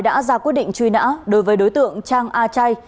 đã ra quyết định truy nã đối với đối tượng trang a chay